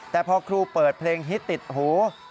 แต่พอครูเปิดเพลงฮิตติดหู